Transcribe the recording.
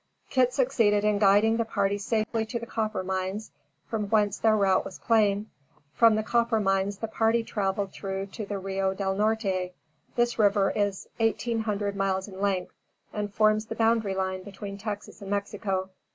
Kit succeeded in guiding the party safely to the Copper Mines, from whence their route was plain. From the Copper Mines the party traveled through to the Rio del Norte. This river is 1,800 miles in length and forms the boundary line between Texas and Mexico.